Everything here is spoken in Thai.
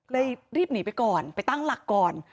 รีบหนีไปก่อนไปตั้งหลักก่อน